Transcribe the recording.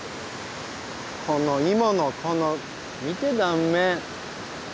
このイモのこの見て断面。